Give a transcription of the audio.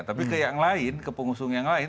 tapi ke yang lain ke pengusung yang lain